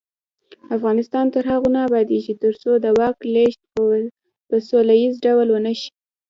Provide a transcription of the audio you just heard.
افغانستان تر هغو نه ابادیږي، ترڅو د واک لیږد په سوله ییز ډول ونشي.